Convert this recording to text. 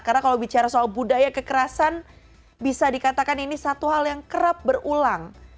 karena kalau bicara soal budaya kekerasan bisa dikatakan ini satu hal yang kerap berulang